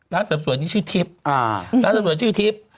ร้านเสริมสวยนี่ชื่อทิพย์ร้านเสริมสวยชื่อทิพย์